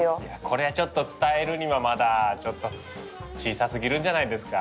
これはちょっと伝えるにはまだちょっと小さすぎるんじゃないですか？